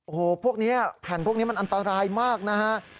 โอ้โหพวกนี้แผ่นพวกนี้มันอันตรายมากนะฮะ